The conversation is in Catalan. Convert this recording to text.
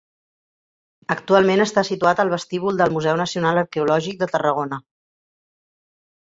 Actualment està situat al vestíbul del Museu Nacional Arqueològic de Tarragona.